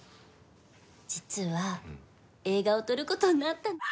実は映画を撮る事になったの。